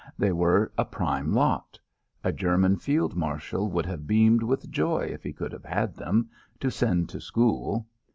They were a prime lot. A German Field Marshal would have beamed with joy if he could have had them to send to school.